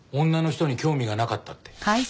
女の人に興味がなかったって。